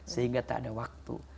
sehingga tak ada waktu